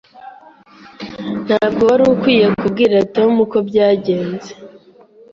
Ntabwo wari ukwiye kubwira Tom uko byagenze.